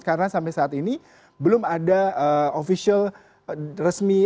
karena sampai saat ini belum ada official resmi